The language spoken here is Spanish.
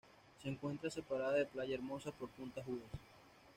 Se encuentra separada de Playa Hermosa por Punta Judas.